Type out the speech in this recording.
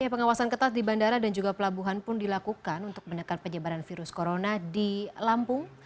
pengawasan ketat di bandara dan juga pelabuhan pun dilakukan untuk menekan penyebaran virus corona di lampung